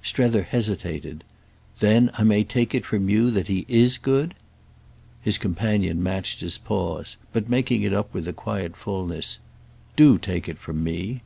Strether hesitated. "Then I may take it from you that he is good?" His companion matched his pause, but making it up with a quiet fulness. "Do take it from me."